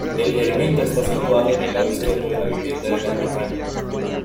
El ermita está situada en el lado izquierdo de la vivienda del ermitaño.